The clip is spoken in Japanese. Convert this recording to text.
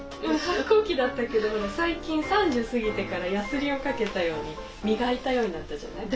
反抗期だったけど最近３０過ぎてからヤスリをかけたように磨いたようになったじゃない。